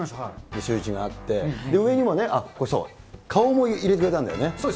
シューイチがあって、上にもね、これそう、顔も入れてくれたそうです。